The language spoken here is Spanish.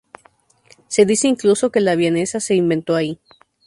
Se dice incluso que la vienesa se inventó allí.